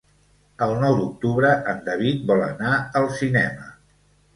El nou d'octubre en David vol anar al cinema.